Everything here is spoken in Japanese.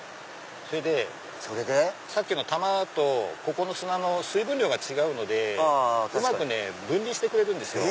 それでさっきの玉とここの砂の水分量が違うのでうまく分離してくれるんですよ。